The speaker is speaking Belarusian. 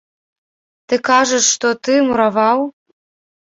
Ты кажаш, што ты мураваў?